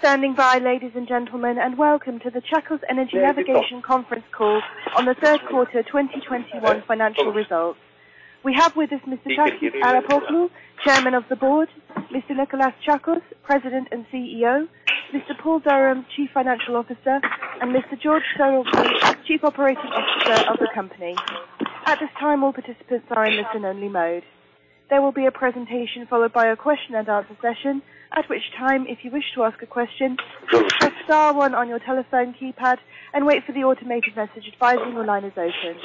Thank you for standing by, ladies and gentlemen, and welcome to the Tsakos Energy Navigation conference call on the third quarter 2021 financial results. We have with us Mr. Takis Arapoglou, Chairman of the Board, Mr. Nikolas Tsakos, President and CEO, Mr. Paul Durham, Chief Financial Officer, and Mr. George Saroglou, Chief Operating Officer of the company. At this time, all participants are in listen-only mode. There will be a presentation followed by a question and answer session, at which time, if you wish to ask a question, press star one on your telephone keypad and wait for the automated message advising your line is open.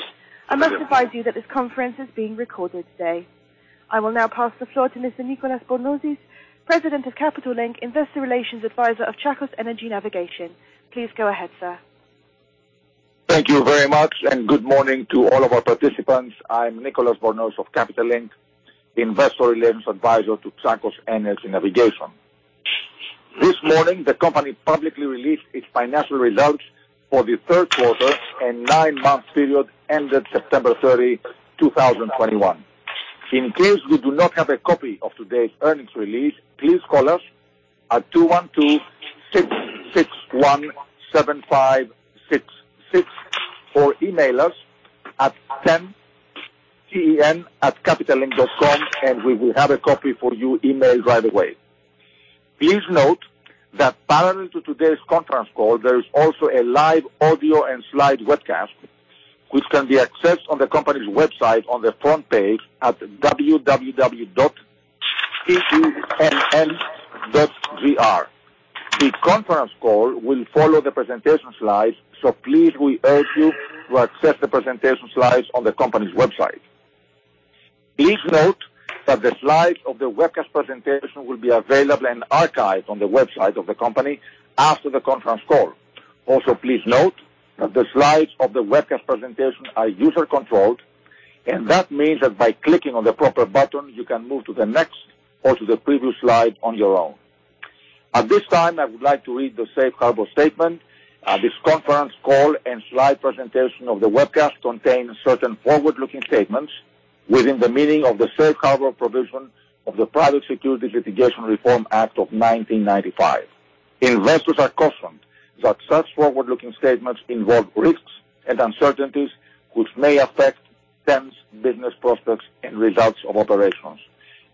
I must advise you that this conference is being recorded today. I will now pass the floor to Mr. Nicolas Bornozis, President of Capital Link, Investor Relations Advisor of Tsakos Energy Navigation. Please go ahead, sir. Thank you very much and good morning to all of our participants. I'm Nicolas Bornozis of Capital Link, Investor Relations Advisor to Tsakos Energy Navigation. This morning, the company publicly released its financial results for the third quarter and nine-month period ended September 30, 2021. In case you do not have a copy of today's earnings release, please call us at 212-661-7566 or email us at TEN@capitallink.com and we will have a copy for you emailed right away. Please note that parallel to today's conference call, there is also a live audio and slide webcast, which can be accessed on the company's website on the front page at www.ten.gr. The conference call will follow the presentation slides, so please we urge you to access the presentation slides on the company's website. Please note that the slides of the webcast presentation will be available and archived on the website of the company after the conference call. Also, please note that the slides of the webcast presentation are user-controlled, and that means that by clicking on the proper button, you can move to the next or to the previous slide on your own. At this time, I would like to read the Safe Harbor statement. This conference call and slide presentation of the webcast contains certain forward-looking statements within the meaning of the Safe Harbor provision of the Private Securities Litigation Reform Act of 1995. Investors are cautioned that such forward-looking statements involve risks and uncertainties which may affect TEN's business prospects and results of operations.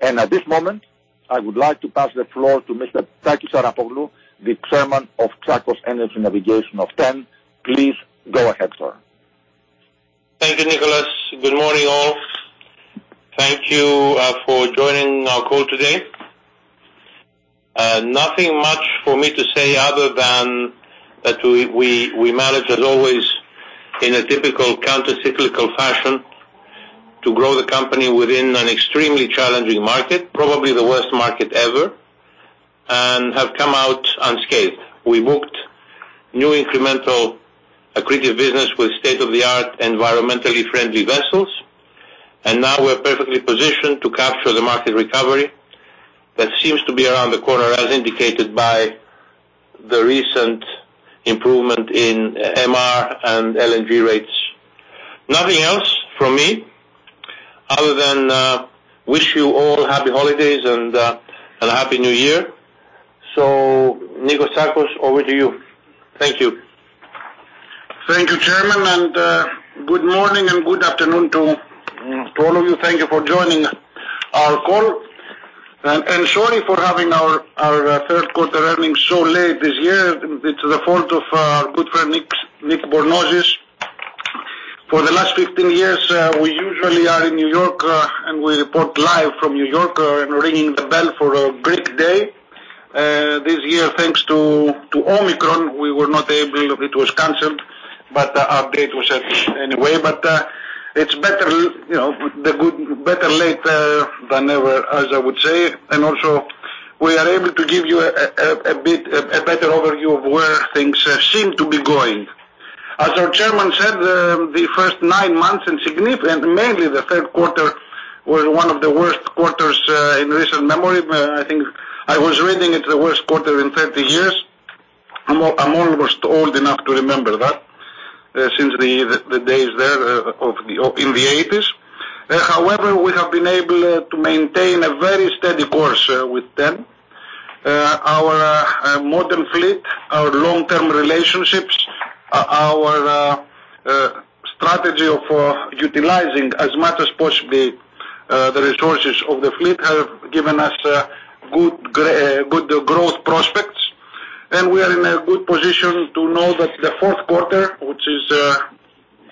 At this moment, I would like to pass the floor to Mr. Takis Arapoglou, the Chairman of Tsakos Energy Navigation of TEN. Please go ahead, sir. Thank you, Nikolas. Good morning, all. Thank you for joining our call today. Nothing much for me to say other than that we managed as always in a typical countercyclical fashion to grow the company within an extremely challenging market, probably the worst market ever, and have come out unscathed. We booked new incremental accretive business with state-of-the-art, environmentally friendly vessels, and now we're perfectly positioned to capture the market recovery that seems to be around the corner as indicated by the recent improvement in MR and LNG rates. Nothing else from me other than wish you all happy holidays and a happy new year. Nikolas Tsakos, over to you. Thank you. Thank you, Chairman, and good morning and good afternoon to all of you. Thank you for joining our call. Sorry for having our third quarter earnings so late this year. It's the fault of our good friend Nick Bornozis. For the last 15 years, we usually are in New York, and we report live from New York, and ringing the bell for a great day. This year, thanks to Omicron, we were not able. It was canceled, but our date was set anyway. It's better, you know, the good, better late than never, as I would say. Also, we are able to give you a bit better overview of where things seem to be going. As our chairman said, the first nine months insignificant, mainly the third quarter was one of the worst quarters in recent memory. I think I was reading it's the worst quarter in 30 years. I'm almost old enough to remember that, since the days there of the in the 1980s. However, we have been able to maintain a very steady course with TEN. Our modern fleet, our long-term relationships, our strategy of utilizing as much as possible the resources of the fleet have given us good growth prospects. We are in a good position to know that the fourth quarter, which is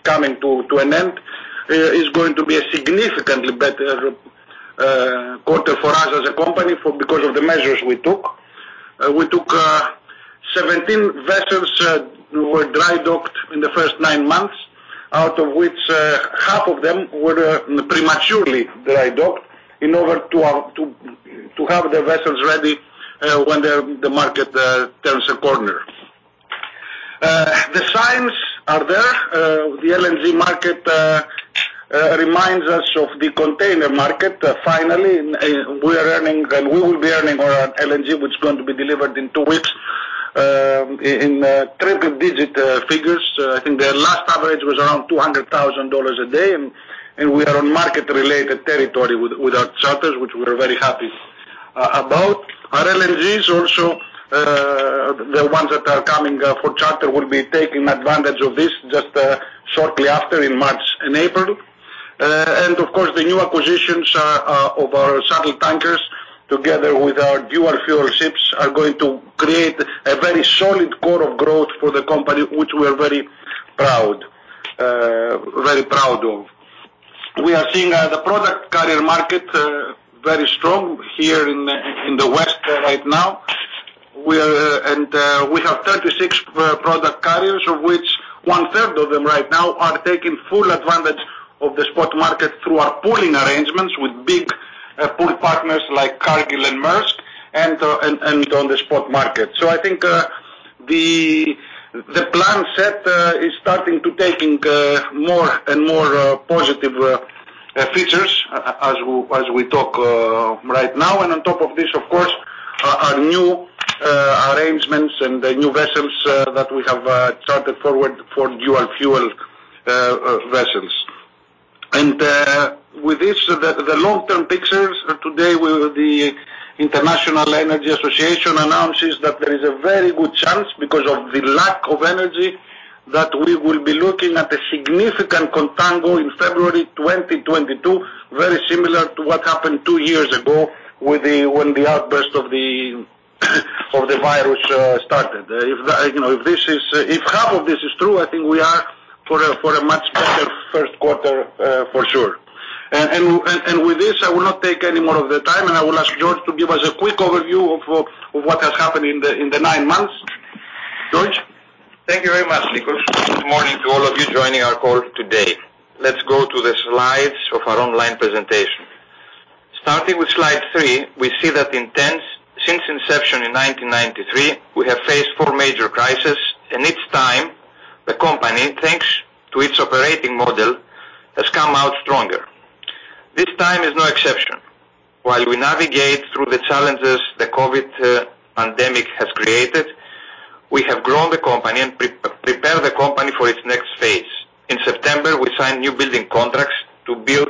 coming to an end, is going to be a significantly better quarter for us as a company because of the measures we took. Seventeen vessels were dry docked in the first nine months, out of which half of them were prematurely dry docked in order to have the vessels ready when the market turns a corner. The signs are there. The LNG market reminds us of the container market. Finally, we are earning, and we will be earning our LNG, which is going to be delivered in two weeks in triple-digit figures. I think their last average was around $200,000 a day, and we are on market-related territory with our charters, which we are very happy about. Our LNGs also, the ones that are coming for charter will be taking advantage of this just shortly after in March and April. Of course, the new acquisitions are of our shuttle tankers together with our dual fuel ships are going to create a very solid core of growth for the company which we are very proud of. We are seeing the product carrier market very strong here in the West right now. We have 36 product carriers, of which one third of them right now are taking full advantage of the spot market through our pooling arrangements with big pool partners like Cargill and Maersk and on the spot market. I think the plan set is starting to taking more and more positive features as we talk right now. On top of this, of course, our new arrangements and the new vessels that we have chartered forward for dual fuel vessels. With this, the long-term picture today with the International Energy Agency announces that there is a very good chance because of the lack of energy that we will be looking at a significant contango in February 2022, very similar to what happened two years ago when the outburst of the virus started. If that, you know, if this is, if half of this is true, I think we are for a much better first quarter, for sure. With this, I will not take any more of the time, and I will ask George to give us a quick overview of what has happened in the nine months. George? Thank you very much, Nikos. Good morning to all of you joining our call today. Let's go to the slides of our online presentation. Starting with slide three, we see that in TEN, since inception in 1993, we have faced four major crises, and each time the company, thanks to its operating model, has come out stronger. This time is no exception. While we navigate through the challenges the COVID pandemic has created, we have grown the company and prepare the company for its next phase. In September, we signed new building contracts to build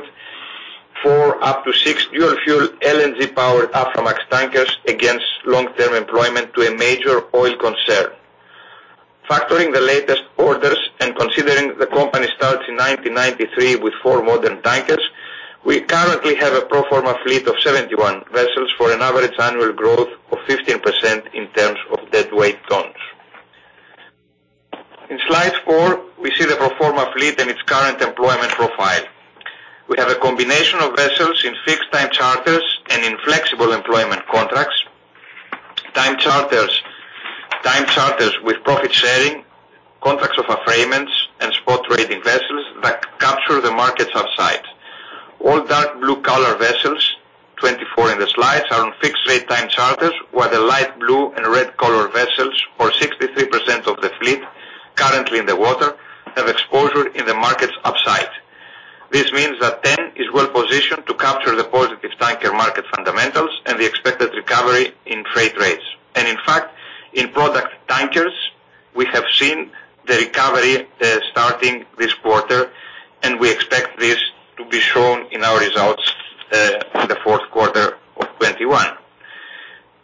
for up to six dual fuel LNG powered Aframax tankers against long-term employment to a major oil concern. Factoring the latest orders and considering the company starts in 1993 with four modern tankers, we currently have a pro forma fleet of 71 vessels for an average annual growth of 15% in terms of deadweight tons. In Slide four, we see the pro forma fleet and its current employment profile. We have a combination of vessels in fixed-time charters and in flexible employment contracts, time charters, time charters with profit sharing, contracts of affreightment, and spot trading vessels that capture the market's upside. All dark blue color vessels, 24 in the slide, are on fixed rate time charters, while the light blue and red color vessels, or 63% of the fleet currently in the water, have exposure in the market's upside. This means that TEN is well-positioned to capture the positive tanker market fundamentals and the expected recovery in freight rates. In fact, in product tankers, we have seen the recovery, starting this quarter, and we expect this to be shown in our results, in the fourth quarter of 2021.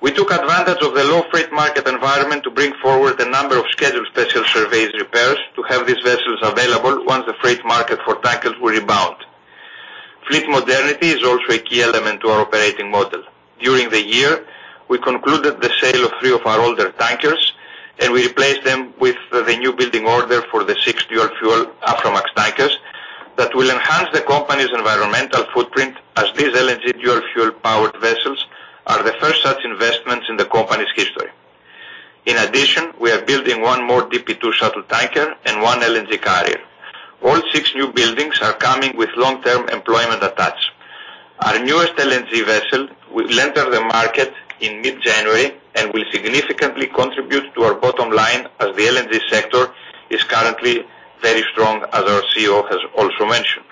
We took advantage of the low freight market environment to bring forward a number of scheduled special surveys repairs to have these vessels available once the freight market for tankers will rebound. Fleet modernity is also a key element to our operating model. During the year, we concluded the sale of three of our older tankers and we replaced them with the new building order for the six dual fuel Aframax tankers that will enhance the company's environmental footprint as these LNG dual fuel powered vessels are the first such investments in the company's history. In addition, we are building one more DP2 shuttle tanker and one LNG carrier. All six new buildings are coming with long-term employment attached. Our newest LNG vessel will enter the market in mid-January and will significantly contribute to our bottom line as the LNG sector is currently very strong, as our CEO has also mentioned.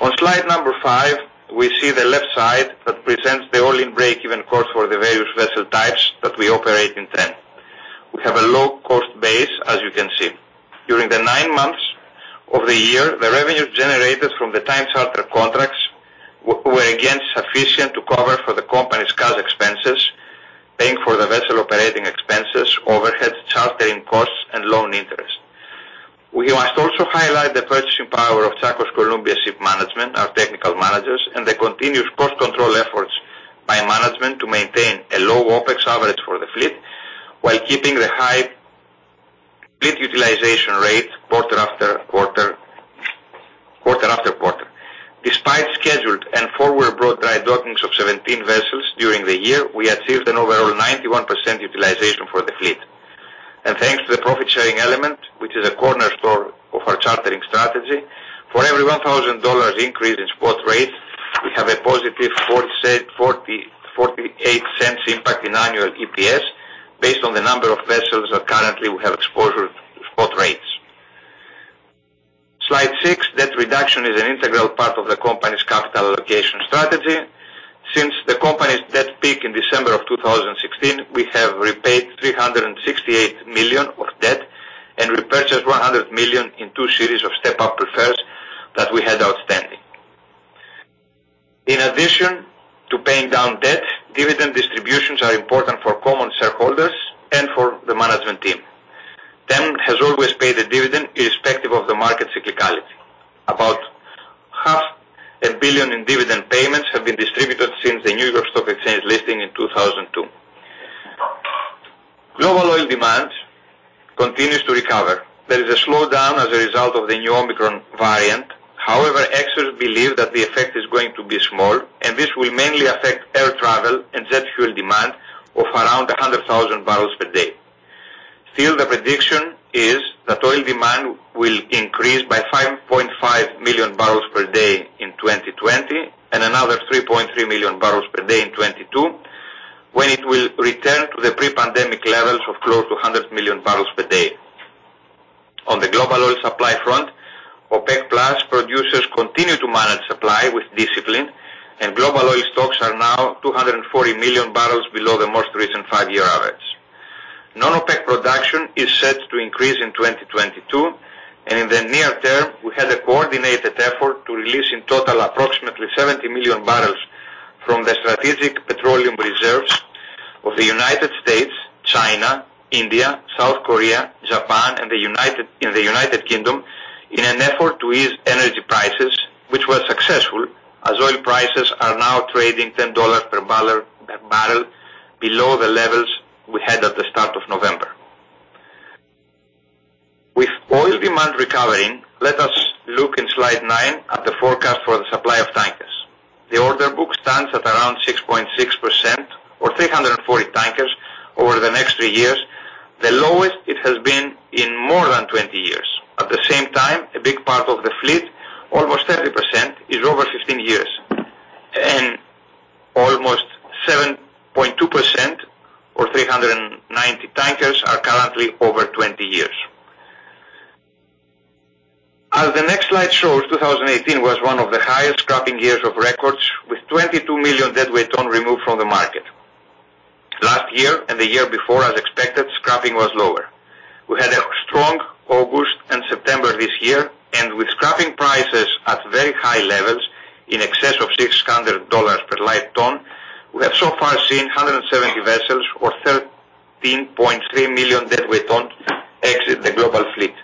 On slide number five, we see the left side that presents the all-in break-even cost for the various vessel types that we operate in TEN. We have a low cost base, as you can see. During the nine months of the year, the revenue generated from the time charter contracts were again sufficient to cover for the company's cash expenses, paying for the vessel operating expenses, overhead chartering costs and loan interest. We must also highlight the purchasing power of Tsakos Columbia Shipmanagement, our technical managers, and the continuous cost control efforts by management to maintain a low OpEx average for the fleet while keeping the high fleet utilization rate quarter after quarter. Despite scheduled and forward-brought dry dockings of 17 vessels during the year, we achieved an overall 91% utilization for the fleet. Thanks to the profit sharing element, which is a cornerstone of our chartering strategy, for every $1,000 increase in spot rate, we have a positive $0.48 impact in annual EPS based on the number of vessels that currently we have exposure to. Slide 6. Debt reduction is an integral part of the company's capital allocation strategy. Since the company's debt peak in December of 2016, we have repaid $368 million of debt and repurchased $100 million in two series of step up prefers that we had outstanding. In addition to paying down debt, dividend distributions are important for common shareholders and for the management team. TEN has always paid a dividend irrespective of the market cyclicality. About $500 million in dividend payments have been distributed since the New York Stock Exchange listing in 2002. Global oil demand continues to recover. There is a slowdown as a result of the new Omicron variant. However, experts believe that the effect is going to be small, and this will mainly affect air travel and jet fuel demand of around 100,000 barrels per day. Still, the prediction is that oil demand will increase by 5.5 million barrels per day in 2020 and another 3.3 million barrels per day in 2022, when it will return to the pre-pandemic levels of close to 100 million barrels per day. On the global oil supply front, OPEC Plus producers continue to manage supply with discipline, and global oil stocks are now 240 million barrels below the most recent five-year average. Non-OPEC production is set to increase in 2022, and in the near term, we had a coordinated effort to release in total approximately 70 million barrels from the strategic petroleum reserves of the United States, China, India, South Korea, Japan and the United Kingdom in an effort to ease energy prices, which was successful as oil prices are now trading $10 per barrel below the levels we had at the start of November. With oil demand recovering, let us look in slide 9 at the forecast for the supply of tankers. The order book stands at around 6.6% or 340 tankers over the next three years, the lowest it has been in more than 20 years. At the same time, a big part of the fleet, almost 30%, is over 15 years, and almost 7.2% or 390 tankers are currently over 20 years. As the next slide shows, 2018 was one of the highest scrapping years on record, with 22 million deadweight tons removed from the market. Last year and the year before, as expected, scrapping was lower. We had a strong August and September this year, and with scrapping prices at very high levels in excess of $600 per light ton, we have so far seen 170 vessels or 13.3 million deadweight tons exit the global fleet.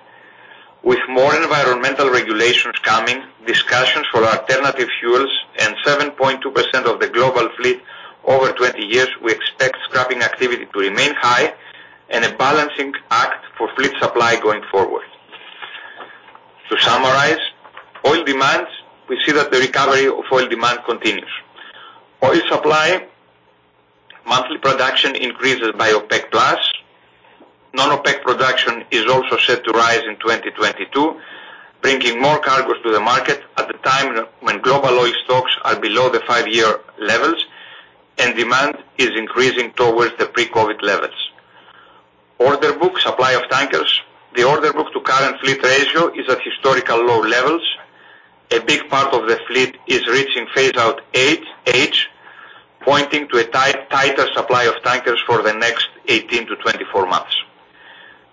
With more environmental regulations coming, discussions for alternative fuels and 7.2% of the global fleet over 20 years, we expect scrapping activity to remain high and a balancing act for fleet supply going forward. To summarize oil demand, we see that the recovery of oil demand continues. Oil supply monthly production increases by OPEC Plus. Non-OPEC production is also set to rise in 2022, bringing more cargoes to the market at the time when global oil stocks are below the five-year levels and demand is increasing towards the pre-COVID levels. Orderbook supply of tankers. The orderbook to current fleet ratio is at historical low levels. A big part of the fleet is reaching phase-out eight age, pointing to a tighter supply of tankers for the next 18-24 months.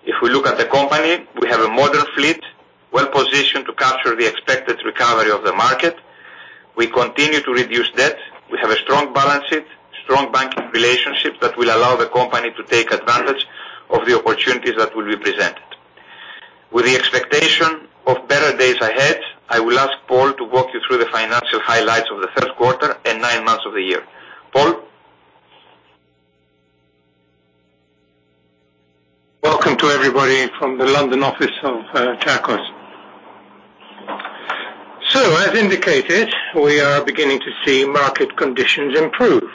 If we look at the company, we have a modern fleet well positioned to capture the expected recovery of the market. We continue to reduce debt. We have a strong balance sheet, strong banking relationships that will allow the company to take advantage of the opportunities that will be presented. With the expectation of better days ahead, I will ask Paul to walk you through the financial highlights of the third quarter and nine months of the year. Paul? Welcome to everybody from the London office of Tsakos. As indicated, we are beginning to see market conditions improve.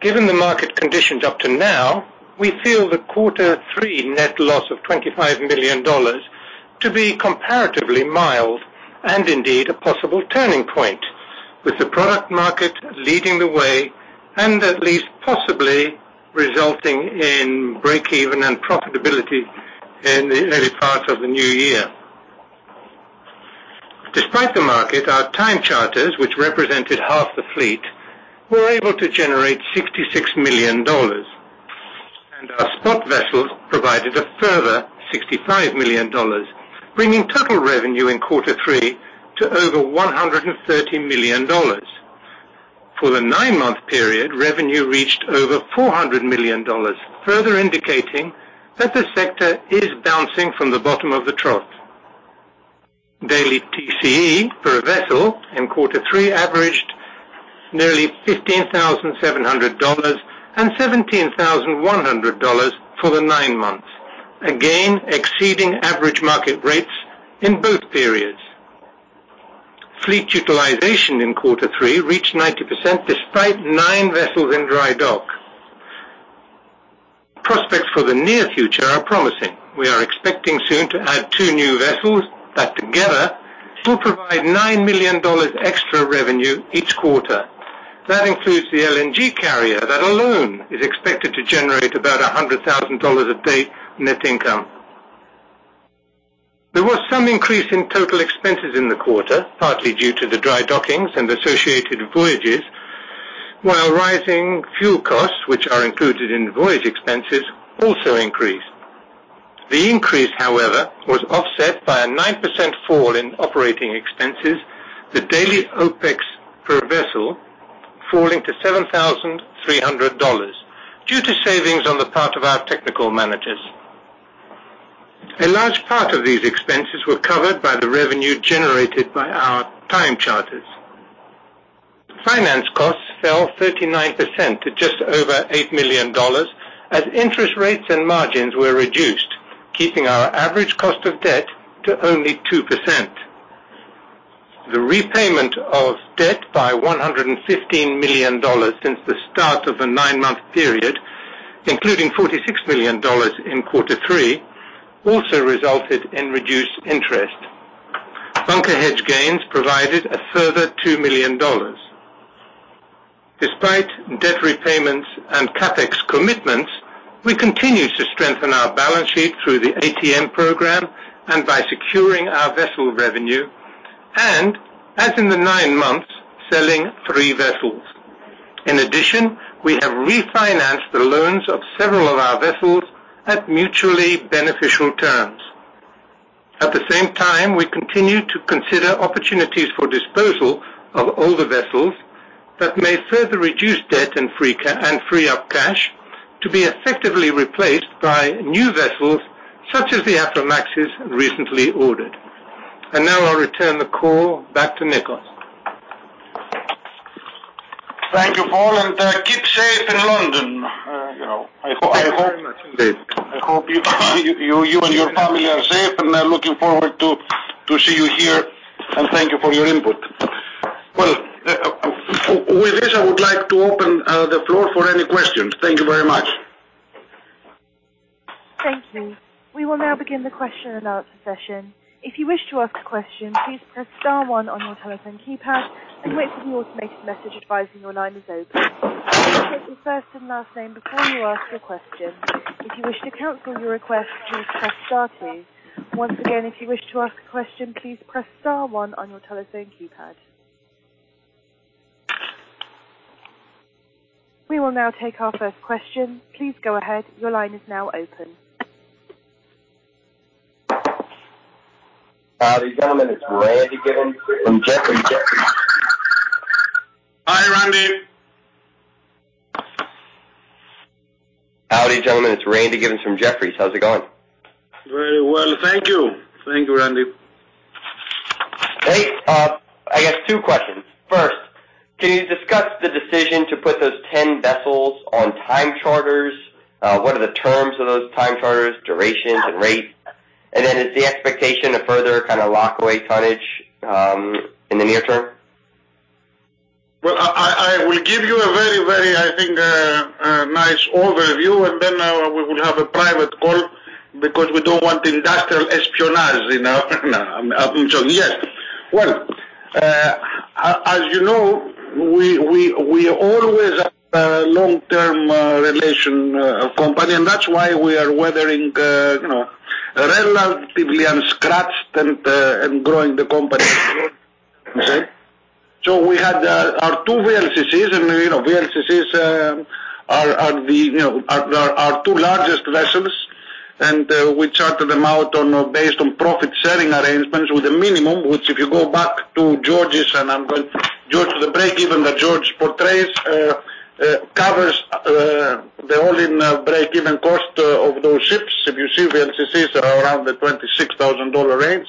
Given the market conditions up to now, we feel the quarter three net loss of $25 million to be comparatively mild and indeed a possible turning point, with the product market leading the way and at least possibly resulting in break even and profitability in the early parts of the new year. Despite the market, our time charters, which represented half the fleet, were able to generate $66 million. Our spot vessels provided a further $65 million, bringing total revenue in quarter three to over $130 million. For the nine-month period, revenue reached over $400 million, further indicating that the sector is bouncing from the bottom of the trough. Daily TCE per vessel in quarter three averaged nearly $15,700 and $17,100 for the nine months, again exceeding average market rates in both periods. Fleet utilization in quarter three reached 90% despite 9 vessels in dry dock. Prospects for the near future are promising. We are expecting soon to add two new vessels that together will provide $9 million extra revenue each quarter. That includes the LNG carrier that alone is expected to generate about $100,000 a day net income. There was some increase in total expenses in the quarter, partly due to the dry dockings and associated voyages, while rising fuel costs, which are included in the voyage expenses, also increased. The increase, however, was offset by a 9% fall in operating expenses, the daily OpEx per vessel falling to $7,300 due to savings on the part of our technical managers. A large part of these expenses were covered by the revenue generated by our time charters. Finance costs fell 39% to just over $8 million as interest rates and margins were reduced, keeping our average cost of debt to only 2%. The repayment of debt by $115 million since the start of the 9-month period, including $46 million in quarter three, also resulted in reduced interest. Bunker hedge gains provided a further $2 million. Despite debt repayments and CapEx commitments, we continue to strengthen our balance sheet through the ATM program and by securing our vessel revenue and, as in the nine months, selling three vessels. In addition, we have refinanced the loans of several of our vessels at mutually beneficial terms. At the same time, we continue to consider opportunities for disposal of older vessels that may further reduce debt and free up cash to be effectively replaced by new vessels such as the Aframaxes recently ordered. Now I'll return the call back to Nikos. Thank you, Paul, and keep safe in London. You know, I hope. Thank you very much, indeed. I hope you and your family are safe, and I'm looking forward to see you here, and thank you for your input. Well, with this, I would like to open the floor for any questions. Thank you very much. Thank you. We will now begin the question and answer session. If you wish to ask a question, please press star one on your telephone keypad and wait for the automated message advising your line is open. Please state your first and last name before you ask your question. If you wish to cancel your request, please press star two. Once again, if you wish to ask a question, please press star one on your telephone keypad. We will now take our first question. Please go ahead. Your line is now open. Howdy, gentlemen. It's Randy Giveans from Jefferies. Hi, Randy. Howdy, gentlemen. It's Randy Giveans from Jefferies. How's it going? Very well. Thank you. Thank you, Randy. Great. I guess two questions. First, can you discuss the decision to put those 10 vessels on time charters? What are the terms of those time charters, durations and rates? And then is the expectation to further kinda lock away tonnage, in the near term? Well, I will give you a very, very, I think, nice overview, and then we will have a private call because we don't want industrial espionage, you know? Yes. Well, as you know, we always are a long-term relationship company, and that's why we are weathering you know, relatively unscathed and growing the company. Okay. We had our two VLCCs and you know, VLCCs are our two largest vessels, and we chartered them out based on profit-sharing arrangements with a minimum which if you go back to George's and going to the breakeven that George portrays covers the all-in breakeven cost of those ships. If you see VLCCs are around the $26,000 range,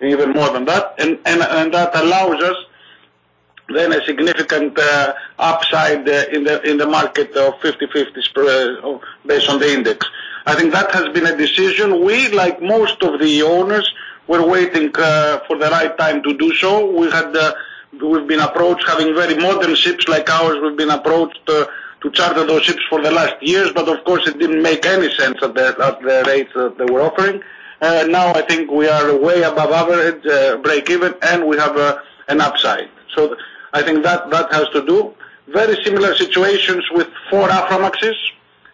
even more than that, and that allows us then a significant upside in the market of 50/50 spot based on the index. I think that has been a decision. We, like most of the owners, were waiting for the right time to do so. We've been approached having very modern ships like ours. We've been approached to charter those ships for the last years, but of course it didn't make any sense at the rates that they were offering. Now I think we are way above average break even, and we have an upside. I think that has to do. Very similar situations with four Aframaxes.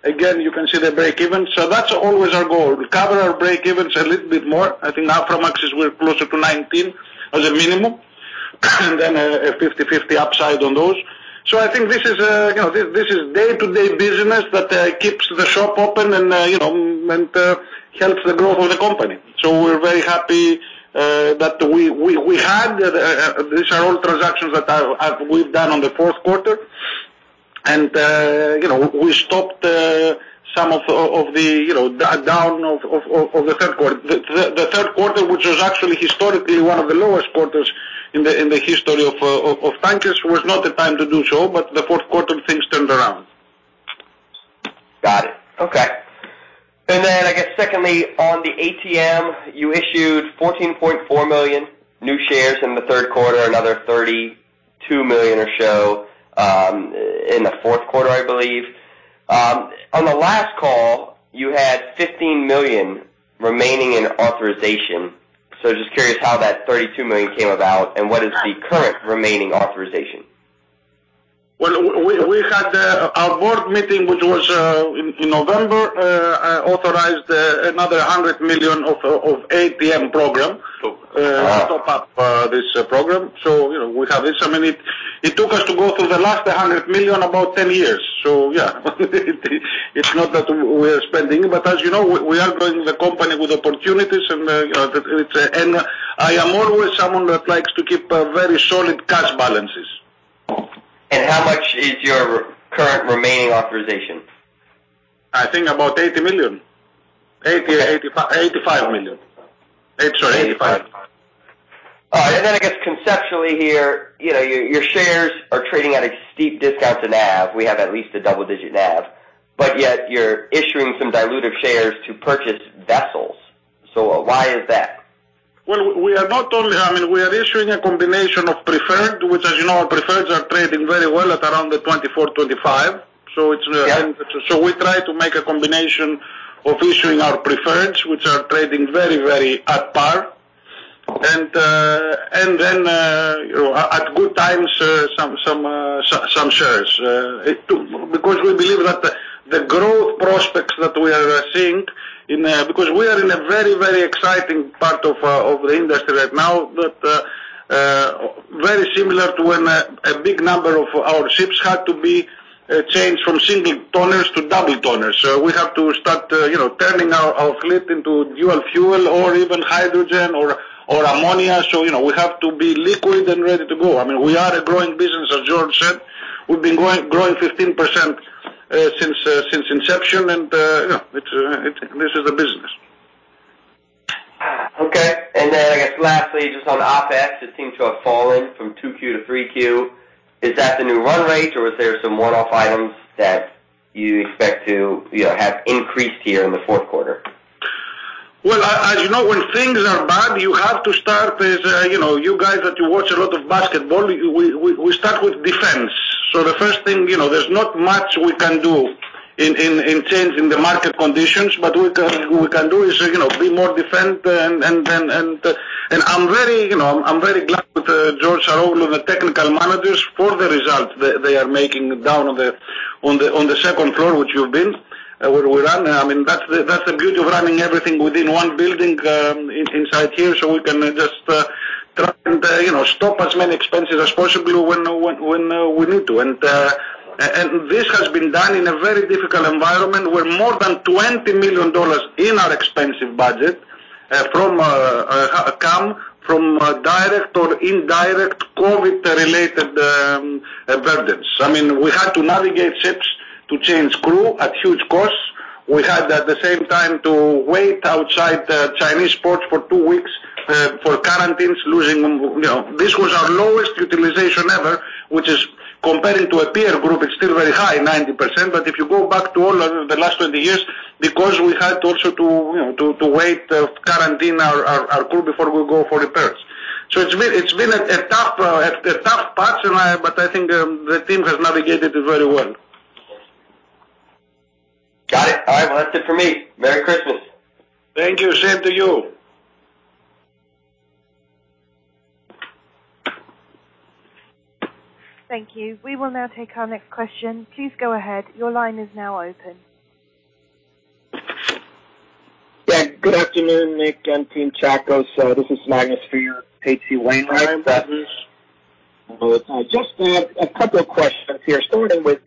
Again, you can see the break even. That's always our goal. Cover our breakevens a little bit more. I think Aframaxes were closer to $19 as a minimum and then a 50/50 upside on those. I think this is day-to-day business that keeps the shop open and helps the growth of the company. We're very happy that we had these. These are all transactions that we've done in the fourth quarter. We stopped some of the downside of the third quarter. The third quarter, which was actually historically one of the lowest quarters in the history of tankers, was not the time to do so. The fourth quarter things turned around. Got it. Okay. I guess secondly, on the ATM, you issued 14.4 million new shares in the third quarter, another 32 million or so in the fourth quarter, I believe. On the last call, you had 15 million remaining in authorization. Just curious how that 32 million came about and what is the current remaining authorization? Well, we had our board meeting, which was in November, authorized another $100 million of ATM program. Wow. To top up this program. You know, we have this. I mean, it took us to go through the last $100 million about 10 years. Yeah, it's not that we are spending. As you know, we are growing the company with opportunities. And I am always someone that likes to keep a very solid cash balances. How much is your current remaining authorization? I think about $80 million. Okay. $85 million. Sorry, 85. All right. I guess conceptually here, you know, your shares are trading at a steep discount to NAV. We have at least a double-digit NAV, but yet you're issuing some dilutive shares to purchase vessels. Why is that? Well, I mean, we are issuing a combination of preferred, which as you know our preferreds are trading very well at around $24-$25. It's Yeah. We try to make a combination of issuing our preferreds, which are trading very, very at par. Then, you know, at good times some shares too. Because we believe that the growth prospects that we are seeing in the air because we are in a very, very exciting part of the industry right now that very similar to when a big number of our ships had to be changed from single hullers to double hullers. We have to start, you know, turning our fleet into dual fuel or even hydrogen or ammonia. You know, we have to be liquid and ready to go. I mean, we are a growing business, as George said. We've been growing 15% since inception. You know, it's this is the business. Okay. I guess lastly, just on OpEx, it seems to have fallen from 2Q to 3Q. Is that the new run rate or is there some one-off items that you expect to, you know, have increased here in the fourth quarter? Well, as you know, when things are bad you have to start with defense. You know, you guys that you watch a lot of basketball, we start with defense. The first thing, you know, there's not much we can do in changing the market conditions. But what we can do is, you know, be more defensive and I'm very glad with George Saroglou and the technical managers for the results they are making down on the second floor, which you've been. We run. I mean, that's the beauty of running everything within one building inside here. We can just try and, you know, stop as many expenses as possible when we need to. This has been done in a very difficult environment where more than $20 million in our expense budget come from direct or indirect COVID-related burdens. I mean, we had to navigate ships to change crew at huge costs. We had at the same time to wait outside Chinese ports for two weeks for quarantines losing, you know. This was our lowest utilization ever, which is comparing to a peer group it's still very high, 90%. If you go back to all of the last 20 years because we had also to, you know, wait, quarantine our crew before we go for repairs. It's been a tough patch, but I think the team has navigated it very well. Got it. All right. Well that's it for me. Merry Christmas. Thank you. Same to you. Thank you. We will now take our next question. Please go ahead. Your line is now open. Yeah, good afternoon, Nick and team, Tsakos. This is Magnus for H.C. Wainwright. Yes. Just a couple of questions here starting with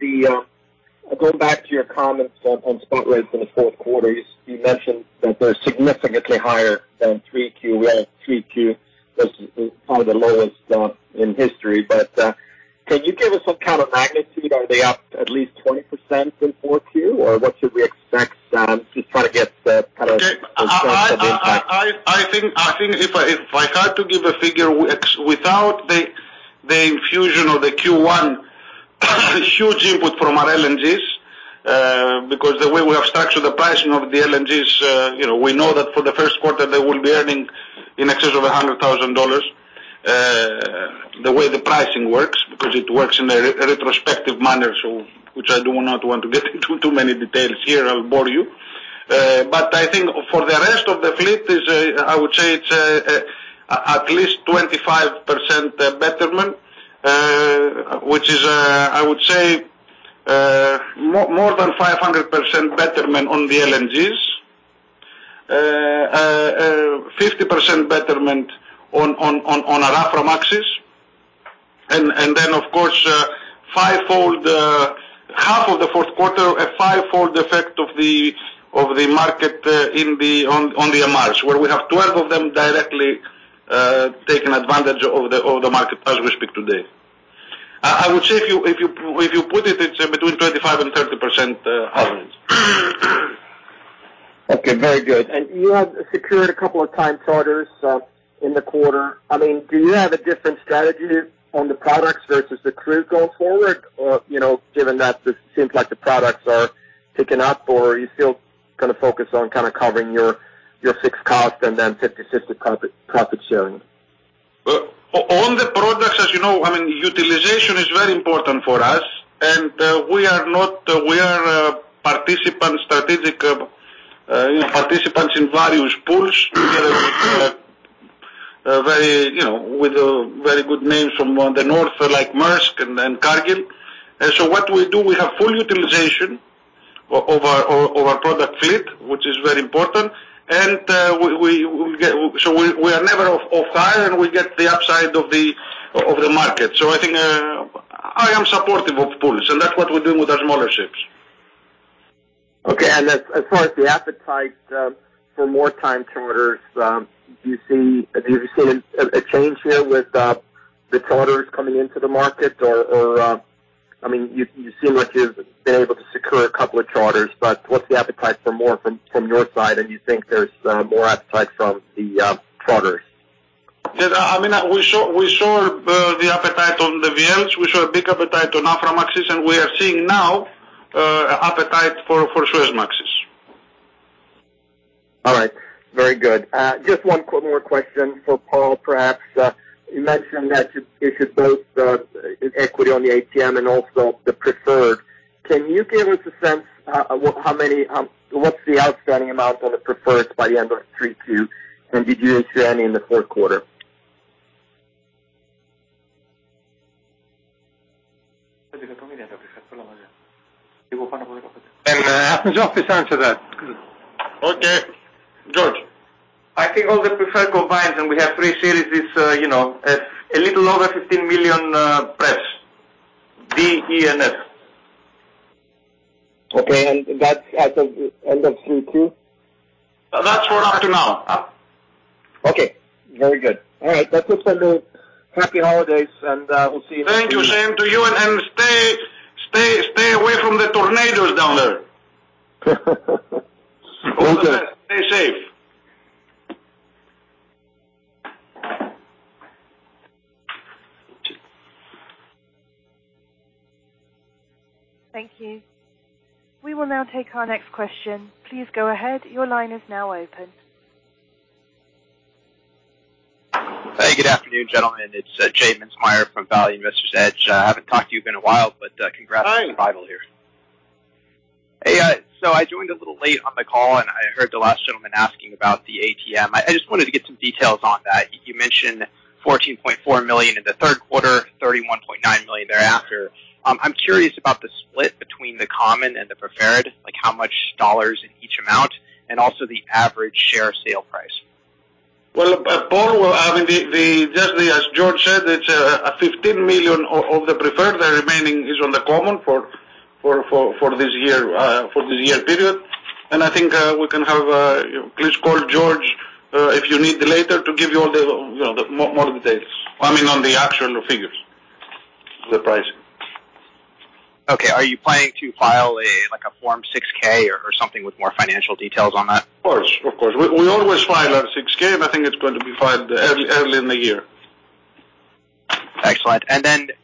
going back to your comments on spot rates in the fourth quarter. You mentioned that they're significantly higher than 3Q. We had 3Q was probably the lowest in history. But can you give us some kind of magnitude? Are they up at least 20% in 4Q or what should we expect? Just trying to get the kind of impact. I think if I had to give a figure without the infusion of the Q1 huge input from our LNGs, because the way we have structured the pricing of the LNGs, you know, we know that for the first quarter they will be earning in excess of $100,000, the way the pricing works because it works in a retrospective manner, which I do not want to get into too many details here. I'll bore you. But I think for the rest of the fleet, I would say it's at least 25% betterment, which is, I would say, more than 500% betterment on the LNGs. 50% betterment on Aframaxes. Of course, fivefold half of the fourth quarter, a fivefold effect of the market in the spot market where we have 12 of them directly taking advantage of the market as we speak today. I would say if you put it's between 25% and 30% average. Okay, very good. You have secured a couple of time charters in the quarter. I mean, do you have a different strategy on the products versus the crude going forward? Or, you know, given that this seems like the products are picking up or are you still going to focus on kind of covering your fixed costs and then fifty-fifty profit sharing? On the products, as you know, I mean, utilization is very important for us, and we are strategic participants in various pools, very, you know, with a very good name from the north like Maersk and Cargill. What we do, we have full utilization over our product fleet, which is very important. We get. We are never offside, and we get the upside of the market. I think I am supportive of pools, and that's what we're doing with our smaller ships. Okay. As far as the appetite for more time charters, have you seen a change here with the charters coming into the market? Or, I mean, you seem like you've been able to secure a couple of charters, but what's the appetite for more from your side? You think there's more appetite from the charters? I mean, we saw the appetite on the VLs. We saw a big appetite on Aframaxes, and we are seeing now appetite for Suezmaxes. All right. Very good. Just one more question for Paul, perhaps. You mentioned that you should both in equity on the ATM and also the preferred. Can you give us a sense what's the outstanding amount on the preferred by the end of Q3 2022? And did you issue any in the fourth quarter? George, please answer that. Okay. George. I think all the preferred combined, and we have three series. It's, you know, a little over $15 million, prefs D, E, and F. Okay. That's at the end of 32? That's for up to now. Okay. Very good. All right. That's it for now. Happy holidays, and we'll see you in the new year. Thank you. Same to you. Stay away from the tornadoes down there. Okay. Stay safe. Thank you. We will now take our next question. Please go ahead. Your line is now open. Hey, good afternoon, gentlemen. It's J. Mintzmyer from Value Investor's Edge. I haven't talked to you in a while, but congrats. Hi. Hey, so I joined a little late on the call, and I heard the last gentleman asking about the ATM. I just wanted to get some details on that. You mentioned $14.4 million in the third quarter, $31.9 million thereafter. I'm curious about the split between the common and the preferred, like how much dollars in each amount and also the average share sale price. Well, Paul will have the. Just as George said, it's a $15 million of the preferred. The remaining is on the common for this year period. I think we can have please call George if you need later to give you all the, you know, the more of the details. I mean, on the actual figures. The pricing. Okay. Are you planning to file a, like a Form 6-K or something with more financial details on that? Of course. We always file a 6-K, and I think it's going to be filed early in the year. Excellent.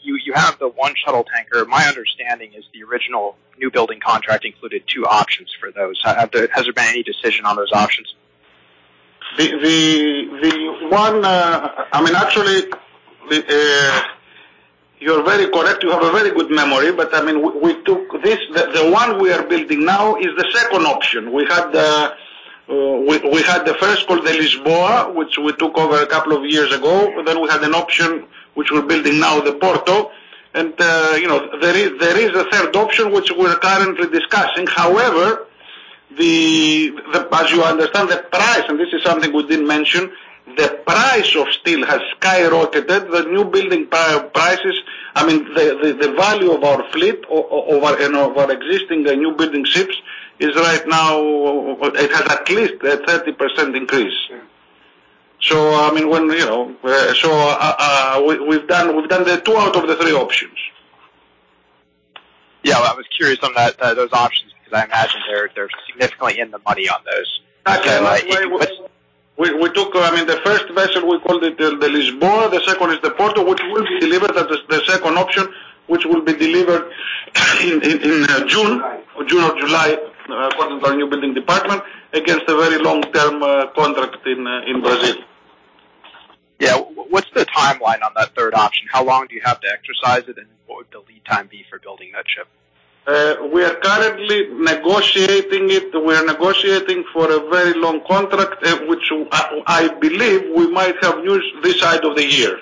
You have the one shuttle tanker. My understanding is the original newbuilding contract included two options for those. Has there been any decision on those options? I mean, actually, you're very correct. You have a very good memory. I mean, we took this. The one we are building now is the second option. We had the first called the Lisboa, which we took over a couple of years ago. We had an option which we're building now, the Porto. You know, there is a third option which we're currently discussing. However, as you understand the price, and this is something we didn't mention, the price of steel has skyrocketed. The new building prices, I mean, the value of our fleet over and our existing new building ships is right now it has at least a 30% increase. I mean, when you know. We've done the two out of the three options. Yeah. I was curious on that, those options because I imagine they're significantly in the money on those. Actually, we took, I mean, the first vessel we called it the Lisboa. The second is the Porto, which will be delivered as the second option, which will be delivered in June or July, according to our new building department, against a very long-term contract in Brazil. Yeah. What's the timeline on that third option? How long do you have to exercise it? What would the lead time be for building that ship? We are currently negotiating it. We are negotiating for a very long contract, which I believe we might have news this side of the year.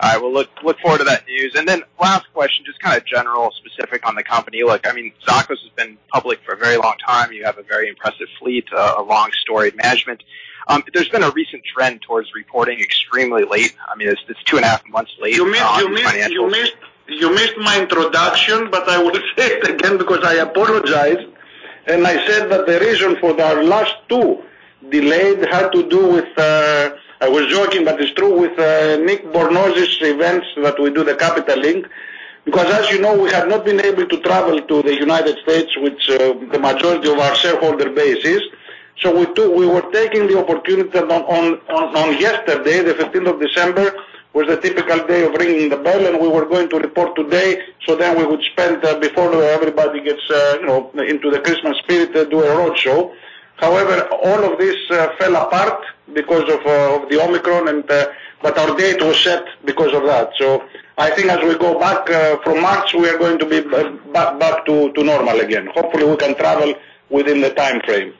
All right. We'll look forward to that news. Then last question, just kind of general specific on the company. Look, I mean, Tsakos has been public for a very long time. You have a very impressive fleet, a long story of management. There's been a recent trend towards reporting extremely late. I mean, it's two and a half months late. You missed my introduction, but I will say it again because I apologize. I said that the reason for our last two delays had to do with, I was joking, but it's true, with Nicolas Bornozis's events that we do the Capital Link because as you know, we have not been able to travel to the United States, which the majority of our shareholder base is. We took we were taking the opportunity on yesterday, the fifteenth of December, was a typical day of ringing the bell, and we were going to report today, then we would spend before everybody gets, you know, into the Christmas spirit, do a roadshow. However, all of this fell apart because of of the Omicron and, but our date was set because of that. I think as we go back from March, we are going to be back to normal again. Hopefully, we can travel within the timeframe.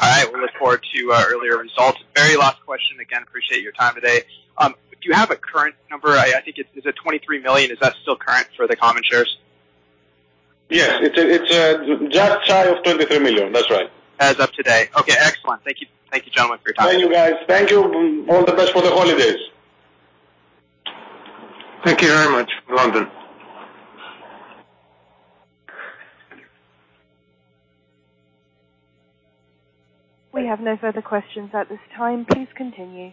All right. We look forward to earlier results. Very last question. Again, I appreciate your time today. Do you have a current number? I think it's 23 million? Is that still current for the common shares? Yes. It's just shy of $23 million. That's right. As of today. Okay. Excellent. Thank you. Thank you, gentlemen, for your time. Thank you, guys. Thank you. All the best for the holidays. Thank you very much from London. We have no further questions at this time. Please continue.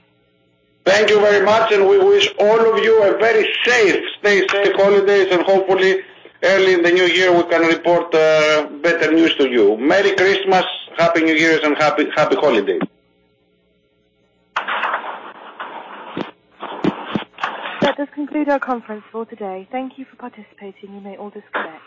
Thank you very much, and we wish all of you a very safe, stay safe holidays, and hopefully early in the new year we can report better news to you. Merry Christmas, Happy New Year, and happy holidays. That does conclude our conference call today. Thank you for participating. You may all disconnect.